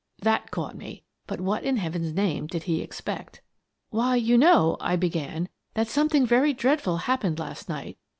" That caught me. But what, in Heaven's name, did he expect ? "Why, you know," I began, "that something very dreadful happened last night.